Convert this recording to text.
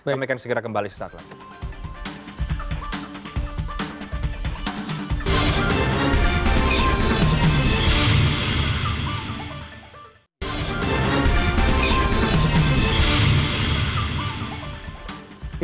kami akan segera kembali sesaat lagi